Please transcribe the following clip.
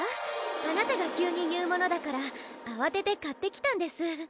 あなたが急に言うものだから慌てて買ってきたんです